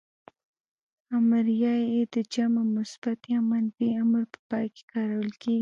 امریه ئ د جمع مثبت يا منفي امر په پای کې کارول کیږي.